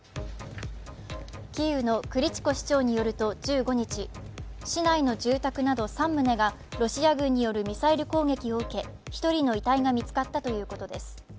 キーウのクリチコ市長によると１５日、市内の住宅など３棟がロシア軍によるミサイル攻撃を受け１人の遺体が見つかったということです。